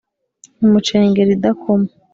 imucengera idakoma.